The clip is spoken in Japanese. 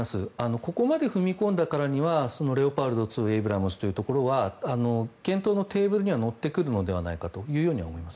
ここまで踏み込んだからにはレオパルト２エイブラムスというところは検討のテーブルには乗ってくるのではないかと思います。